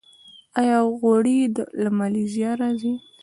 آیا غوړي له مالیزیا راځي؟